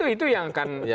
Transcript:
itu yang akan